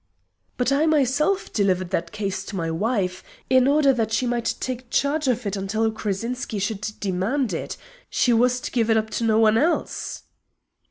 "But I myself delivered that case to my wife, in order that she might take charge of it until Krazinski should demand it. She was to give it up to no one else."